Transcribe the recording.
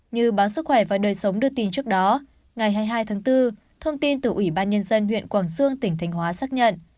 như báo sức khỏe và đời sống đưa tin trước đó ngày hai mươi hai tháng bốn thông tin từ ủy ban nhân dân huyện quảng sương tỉnh thành hóa xác nhận